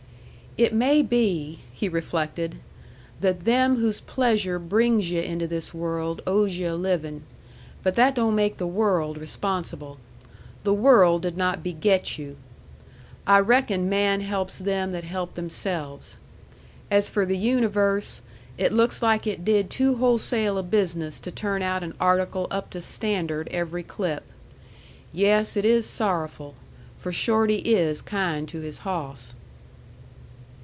"It may be," he reflected, "that them whose pleasure brings yu' into this world owes yu' a living. But that don't make the world responsible. The world did not beget you. I reckon man helps them that help themselves. As for the universe, it looks like it did too wholesale a business to turn out an article up to standard every clip. Yes, it is sorrowful. For Shorty is kind to his hawss."